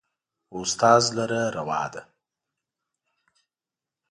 و استاد لره روا ده